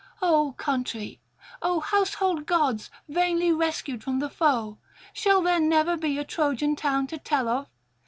O country, O household gods vainly rescued from the foe! shall there never be a Trojan town to tell of?